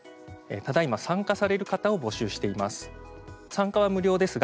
ただいま参加される方を募集しています。